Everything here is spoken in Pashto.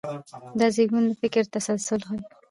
دا زېږون د فکر تسلسل ښيي.